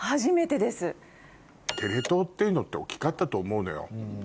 テレ東っていうのって大っきかったと思うのよ。